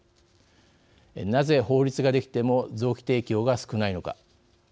なぜ、法律ができても臓器提供が少ないのか。